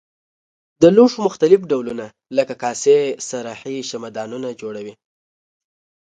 د لوښو مختلف ډولونه لکه کاسې صراحي شمعه دانونه جوړوي.